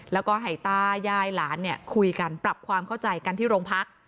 แล้วก็ให้ตายายหลานคุยกันปรับความเข้าใจกันที่โรงพัก